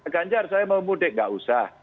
ganjar saya mau mudik nggak usah